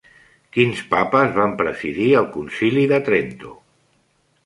Quins papes van presidir el Concili de Trento?